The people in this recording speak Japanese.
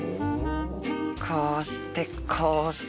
こうしてこうして。